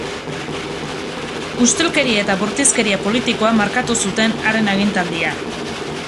Ustelkeria eta bortizkeria politikoa markatu zuten haren agintaldia.